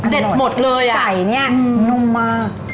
เด็ดหมดเลยอ่ะนุ่มมาก